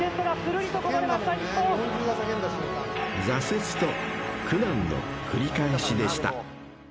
［挫折と苦難の繰り返しでした］